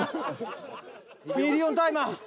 ミリオンタイマー。